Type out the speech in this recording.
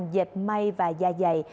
hai dẹp may và da dày